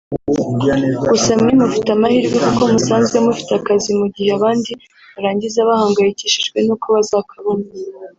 gusa mwe mufite amahirwe kuko musanzwe mufite akazi mu gihe abandi barangiza bahangayikijwe n’uko bazakabona